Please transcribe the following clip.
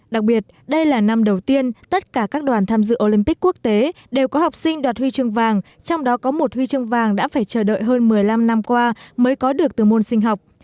đặc biệt đây là năm đầu tiên tất cả các đoàn tham dự olympic quốc tế đều có học sinh đoạt huy chương vàng trong đó có một huy chương vàng đã phải chờ đợi hơn một mươi năm năm qua mới có được từ môn sinh học